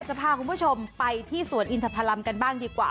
จะพาคุณผู้ชมไปที่สวนอินทพรรมกันบ้างดีกว่า